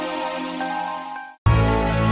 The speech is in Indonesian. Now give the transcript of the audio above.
aku mau buktikan